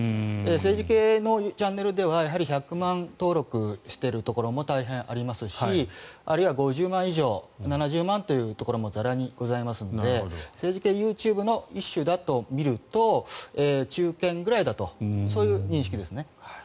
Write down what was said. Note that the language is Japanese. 政治系のチャンネルでは１００万登録しているところも大変ありますしあるいは５０万以上７０万というところもざらにございますので政治系ＹｏｕＴｕｂｅの一種だと見ると中堅ぐらいだとそういう認識ですね。